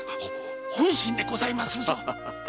本心でございまするぞ！